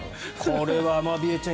これはアマビエちゃん